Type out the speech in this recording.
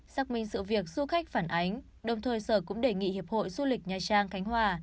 xác minh sự việc du khách phản ánh đồng thời sở cũng đề nghị hiệp hội du lịch nha trang khánh hòa